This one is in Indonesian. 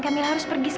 kamu pluto kak fadil